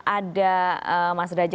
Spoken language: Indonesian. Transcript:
ada pembahasan tidak luaran